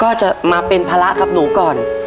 ก็จะมาเป็นภาระกับหนูก่อน